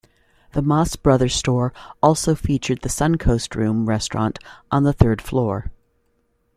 The Maas Brothers store also featured the Suncoast Room restaurant on the third floor.